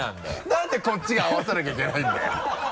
なんでこっちが合わせなきゃいけないんだよ。